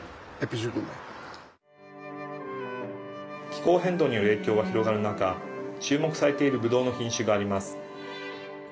気候変動による影響が広がる中注目されているブドウの品種があります。